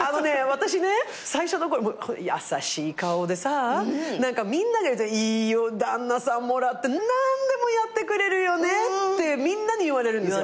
私ね最初のころ優しい顔でさ何かみんなでいるといい旦那さんもらって何でもやってくれるよねってみんなに言われるんですよ。